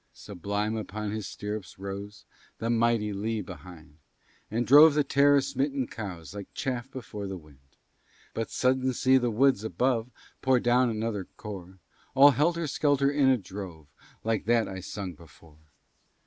Sublime upon his stirrups rose The mighty Lee behind, And drove the terror smitten cows Like chaff before the wind. But sudden see the woods above Pour down another corps, All helter skelter in a drove, Like that I sung before.